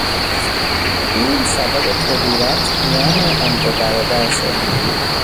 پول، سبب کدورت میان آن دو برادر شد.